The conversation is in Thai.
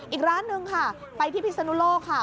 อีกร้านหนึ่งค่ะไปที่พิศนุโลกค่ะ